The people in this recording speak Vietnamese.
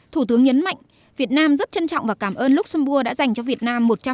thủ tướng nhấn mạnh việt nam rất trân trọng và cảm ơn luxembourg đã dành cho việt nam